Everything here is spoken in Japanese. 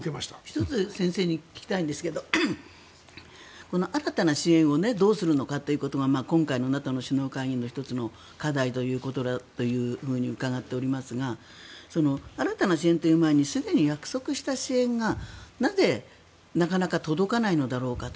１つ先生に聞きたいんですが新たな支援をどうするのかということが今回のＮＡＴＯの首脳会議の１つの課題ということだと伺っていますが新たな支援という前にすでに約束した支援がなぜ、なかなか届かないのだろうかと。